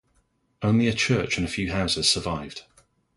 Only a church and few houses survived.